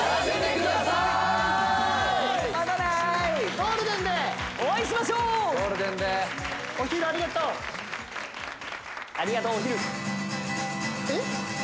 ゴールデンでお会いしましょうゴールデンでお昼ありがとうえっ？